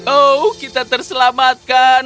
oh kita terselamatkan